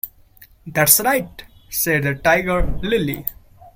‘That’s right!’ said the Tiger-lily.